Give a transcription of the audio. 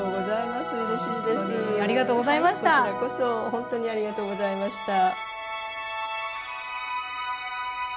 ほんとにありがとうございました。